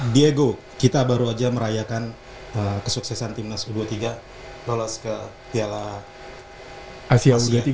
diego kita baru aja merayakan kesuksesan timnas u dua puluh tiga lolos ke piala asia u dua puluh tiga